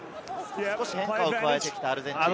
少し変化を加えてきた、アルゼンチン。